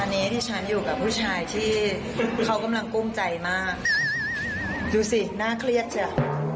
อันนี้ที่ฉันอยู่กับผู้ชายที่เขากำลังกุ้มใจมากดูสิน่าเครียดจ้ะ